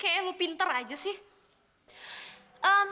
kayaknya lu pinter aja sih